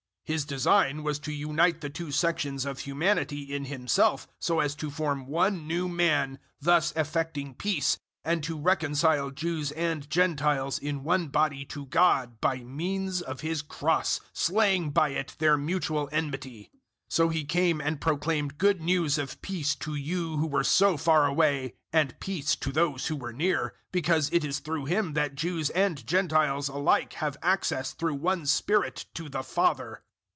His design was to unite the two sections of humanity in Himself so as to form one new man, 002:016 thus effecting peace, and to reconcile Jews and Gentiles in one body to God, by means of His cross slaying by it their mutual enmity. 002:017 So He came and proclaimed good news of peace to you who were so far away, and peace to those who were near; 002:018 because it is through Him that Jews and Gentiles alike have access through one Spirit to the Father.